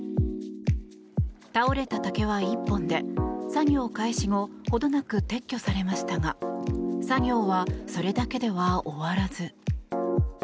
倒れた竹は１本で作業開始後程なく撤去されましたが作業はそれだけでは終わらず。